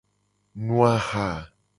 Nu aha.